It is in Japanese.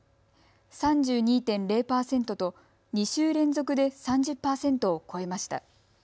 ３２．０％と２週連続で３０％を超えました。